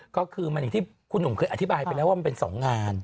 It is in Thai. ก็คือมันอย่างที่คุณหนุ่มเคยอธิบายไปแล้วว่ามันเป็น๒งาน